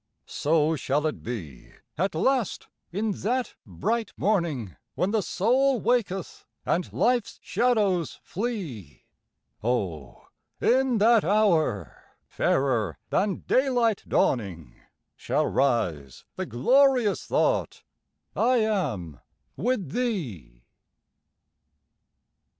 So shall it be at last in that bright morning, When the soul waketh, and life's shadows flee; O in that hour, fairer than daylight dawning, Shall rise the glorious thought I am with Thee.